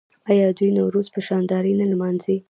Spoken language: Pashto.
آیا دوی نوروز په شاندارۍ نه لمانځي؟